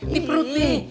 di perut nih